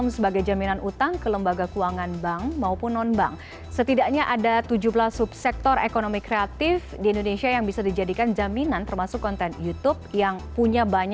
selamat malam apa kabar mbak tiffany